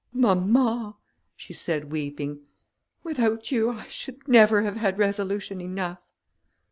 "Mamma," she said, weeping, "without you, I never should have had resolution enough."